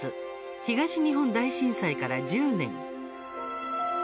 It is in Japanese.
東日本大震災から１０年。